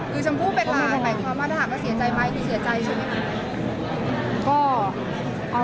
คือชมพู่เป็นหลานหมายความว่าถามว่าเสียใจไหมคือเสียใจใช่ไหมคะ